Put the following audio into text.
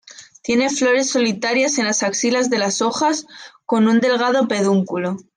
Tiene flores solitarias en las axilas de las hojas; con un delgado pedúnculo.